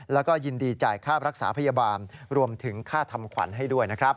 แล้วก็ยินดีจ่ายค่ารักษาพยาบาลรวมถึงค่าทำขวัญให้ด้วยนะครับ